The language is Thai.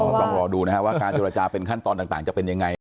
ก็ลองรอดูนะฮะว่าการจุดระจาเป็นขั้นตอนต่างต่างจะเป็นยังไง